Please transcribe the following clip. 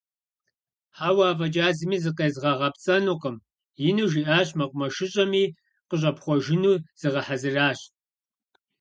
- Хьэуэ, афӀэкӀа зыми зыкъезгъэгъэпцӀэнукъым! - ину жиӀэщ мэкъумэшыщӀэми къыщӀэпхъуэжыну зигъэхьэзыращ.